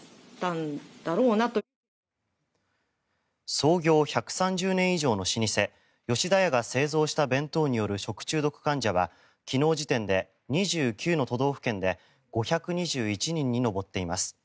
創業１３０年以上の老舗吉田屋が製造した弁当による食中毒患者は昨日時点で２９の都道府県で５２１人に上っています。